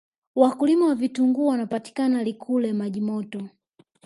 wakulima wa vitunguu wanapatika likule majimoto